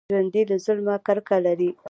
ژوندي له ظلمه کرکه لري